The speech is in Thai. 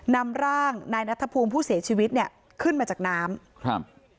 นำร่างนายนัทภูมิผู้เสียชีวิตเนี่ยขึ้นมาจากน้ำครับ